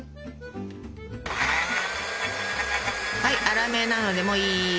はい粗めなのでもういい。